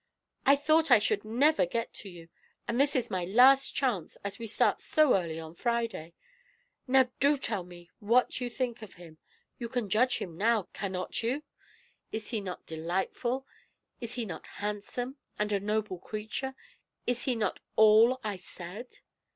"I thought I should never get to you, and this is my last chance, as we start so early on Friday. Now do tell me what you think of him. You can judge now, cannot you? Is he not delightful? Is he not handsome, and a noble creature? Is he not all I said?"